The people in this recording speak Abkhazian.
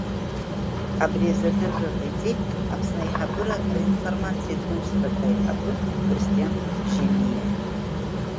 Абри азы адырра ҟаиҵеит Аԥсны Аиҳабыра ринформациатә Усбарҭа аиҳабы Кристиан Бжьаниа.